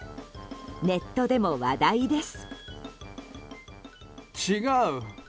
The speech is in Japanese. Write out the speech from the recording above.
ネットでも話題です。